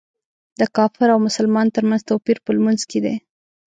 د کافر او مسلمان تر منځ توپیر په لمونځ کې دی.